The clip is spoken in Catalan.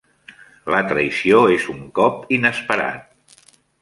La traïció és un cop inesperat.